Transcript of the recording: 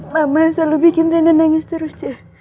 mama selalu bikin denda nangis terus